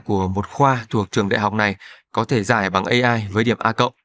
của một khoa thuộc trường đại học này có thể giải bằng ai với điểm a